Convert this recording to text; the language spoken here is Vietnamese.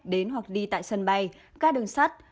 đến hoặc đi tại sân bay các đường sắt